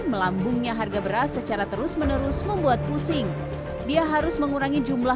melambungnya harga beras secara terus menerus membuat pusing dia harus mengurangi jumlah